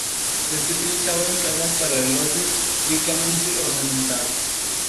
Se especializaba en cajas para relojes ricamente ornamentados.